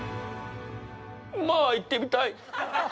まあ行ってみたい！